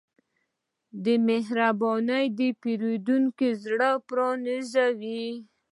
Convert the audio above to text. مهرباني د پیرودونکي زړه پرانیزي.